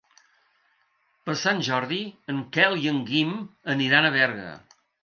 Per Sant Jordi en Quel i en Guim aniran a Berga.